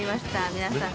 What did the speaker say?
皆さん